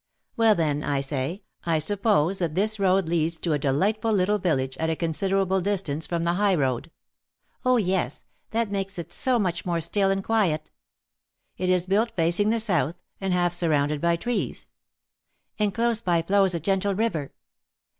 "Well, then, I say, I suppose that this road leads to a delightful little village, at a considerable distance from the highroad " "Oh, yes; that makes it so much more still and quiet!" "It is built facing the south, and half surrounded by trees " "And close by flows a gentle river."